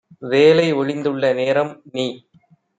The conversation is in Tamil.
வேலை ஒழிந்துள்ள நேரம் - நீ